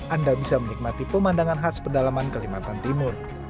anda bisa menikmati pemandangan khas pedalaman kalimantan timur